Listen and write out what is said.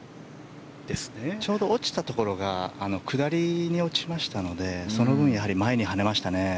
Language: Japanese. ちょうど落ちたところが下りに落ちましたのでその分、前に跳ねましたね。